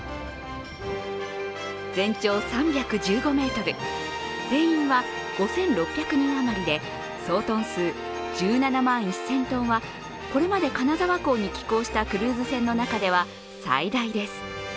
全長３１５ｍ、定員は５６００人余りで総トン数１７万１０００ｔは、これまで金沢港に寄港したクルーズ船の中では最大です。